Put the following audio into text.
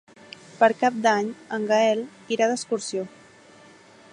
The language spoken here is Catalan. Per Cap d'Any en Gaël irà d'excursió.